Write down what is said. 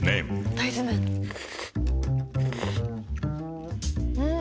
大豆麺ん？